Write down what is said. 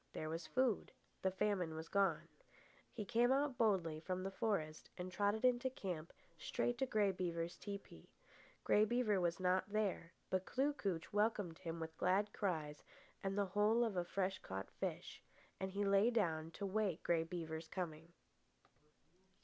There was food. The famine was gone. He came out boldly from the forest and trotted into camp straight to Grey Beaver's tepee. Grey Beaver was not there; but Kloo kooch welcomed him with glad cries and the whole of a fresh caught fish, and he lay down to wait Grey Beaver's coming.